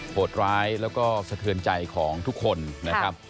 โหดร้ายแล้วก็สะเทือนใจของทุกคนนะครับ